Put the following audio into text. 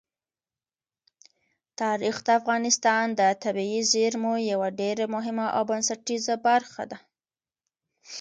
تاریخ د افغانستان د طبیعي زیرمو یوه ډېره مهمه او بنسټیزه برخه ده.